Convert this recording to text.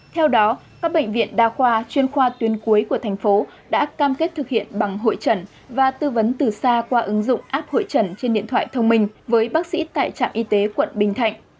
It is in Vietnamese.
theo đó các bệnh viện đa khoa chuyên khoa tuyến cuối của thành phố đã cam kết thực hiện bằng hội trần và tư vấn từ xa qua ứng dụng app hội trần trên điện thoại thông minh với bác sĩ tại trạm y tế quận bình thạnh